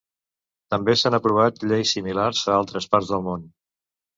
També s'han aprovat lleis similars a altres parts del món.